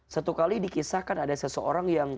satu kali dikisahkan ada seseorang yang